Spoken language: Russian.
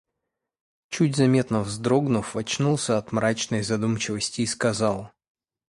чуть заметно вздрогнув, очнулся от мрачной задумчивости и сказал: